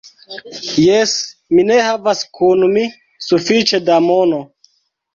Jes; mi ne havas kun mi sufiĉe da mono.